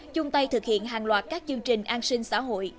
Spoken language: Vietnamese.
chung tay thực hiện hàng loạt các chương trình an sinh xã hội